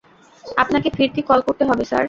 আপনাকে ফিরতি কল করতে হবে, স্যার।